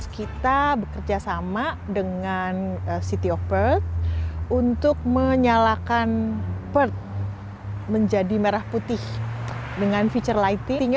kita bekerja sama dengan city of purd untuk menyalakan perth menjadi merah putih dengan feature lighting